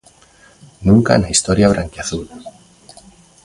Nunca na historia branquiazul.